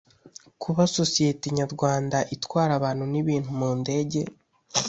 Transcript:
Kuba Sosiyete Nyarwanda itwara abantu n’ibintu mu ndege